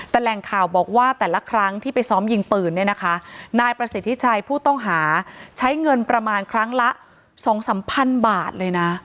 แต่แหล่งข่าวบอกว่าแต่ละครั้งที่ไปซ้อมยิงปืนเนี่ยนะคะนายประสิทธิชัยผู้ต้องหาใช้เงินประมาณครั้งละสองสามพันบาทเลยนะ